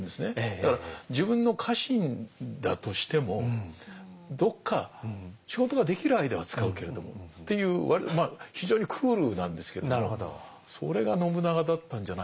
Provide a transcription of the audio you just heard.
だから自分の家臣だとしてもどっか仕事ができる間は使うけれどもっていう非常にクールなんですけどそれが信長だったんじゃないかなという。